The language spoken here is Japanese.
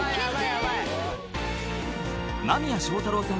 ［間宮祥太朗さん